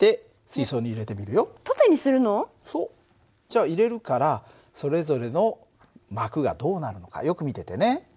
じゃあ入れるからそれぞれの膜がどうなるのかよく見ててね。